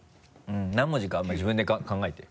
何文字かあんまり自分で考えてよ。